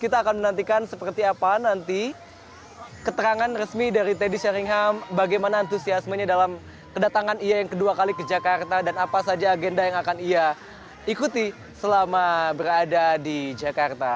kita akan menantikan seperti apa nanti keterangan resmi dari teddy sheringham bagaimana antusiasmenya dalam kedatangan ia yang kedua kali ke jakarta dan apa saja agenda yang akan ia ikuti selama berada di jakarta